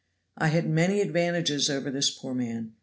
I had many advantages over this poor man.